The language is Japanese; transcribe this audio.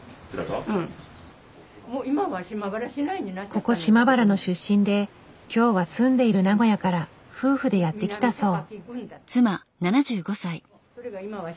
ここ島原の出身で今日は住んでいる名古屋から夫婦でやって来たそう。